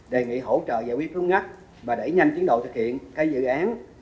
đề nghị hỗ trợ giải quyết phương áp và đẩy nhanh chiến đội thực hiện cái dự án